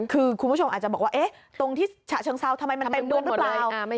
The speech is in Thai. คือคุณผู้ชมอาจจะบอกว่าตรงที่ฉะเชิงเซาทำไมมันเต็มดวงหรือเปล่า